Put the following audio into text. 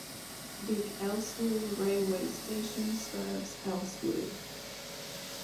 Beek-Elsloo railway station serves Elsloo.